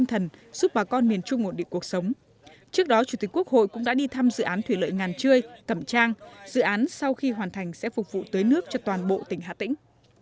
trước đó chủ tịch quốc hội cũng đã đi thăm dự án thủy lợi ngàn trươi cẩm trang dự án sau khi hoàn thành sẽ phục vụ tới nước cho toàn bộ tỉnh hà tĩnh